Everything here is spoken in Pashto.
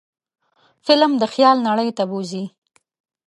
فلم د خیال نړۍ ته بوځي